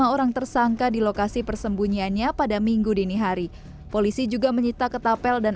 lima orang tersangka di lokasi persembunyiannya pada minggu dini hari polisi juga menyita ketapel dan